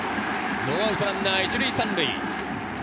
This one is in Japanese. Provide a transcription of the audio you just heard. ノーアウトランナー１塁３塁。